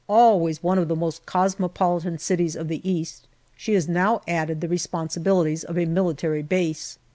Always one of the most cosmopolitan cities of the East, she has now added the responsibilities of a military base.